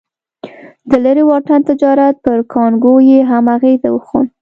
د لرې واټن تجارت پر کانګو یې هم اغېز وښند.